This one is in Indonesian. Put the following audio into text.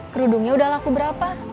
kerudungnya udah laku berapa